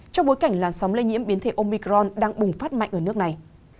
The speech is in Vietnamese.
trong bối cảnh làn sóng lây nhiễm biến thể omicron đang bùng phát mạnh ở nước này